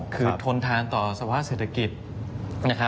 คือทนทานต่อสภาวะเศรษฐกิจ